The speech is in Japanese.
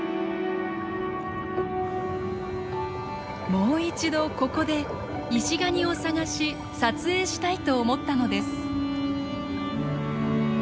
もう一度ここでイシガニを探し撮影したいと思ったのです。